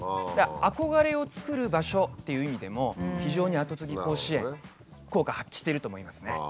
憧れをつくる場所っていう意味でも非常にアトツギ甲子園効果発揮してると思いますね。